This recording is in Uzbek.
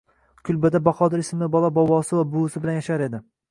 kulbada Bahodir ismli bola bobosi va buvisi bilan yashar edi